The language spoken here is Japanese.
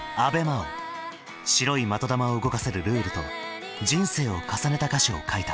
白い的球を動かせるルールと人生を重ねた歌詞を書いた。